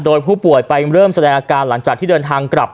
โดยผู้ป่วยไปเริ่มแสดงอาการหลังจากที่เดินทางกลับ